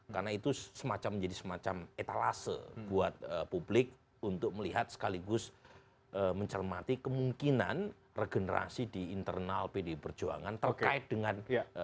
karena itu semacam menjadi semacam etalase buat publik untuk melihat sekaligus mencermati kemungkinan regenerasi di internal pdi perjuangan terkait dengan dua ribu dua puluh empat